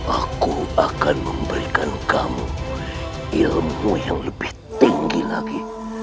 aku akan memberikan kamu ilmu yang lebih tinggi lagi